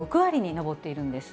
実におよそ６割に上っているんです。